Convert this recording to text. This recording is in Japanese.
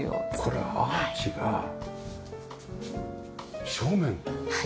これアーチが正面上。